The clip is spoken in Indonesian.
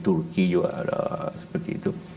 turki juga ada seperti itu